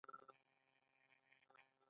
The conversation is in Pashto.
د ونو لپاره څه شی اړین دی؟